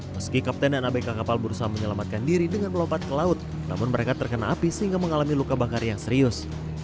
meski kapten dan abk kapal berusaha menyelamatkan diri dengan melompat ke laut namun mereka terkena api sehingga mengalami luka bakar yang serius